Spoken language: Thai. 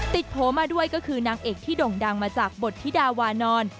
โผล่มาด้วยก็คือนางเอกที่ด่งดังมาจากบทธิดาวานอน